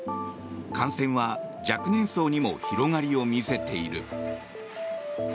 感染は若年層にも広がりを見せている。